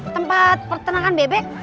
tempat pertanangan bebek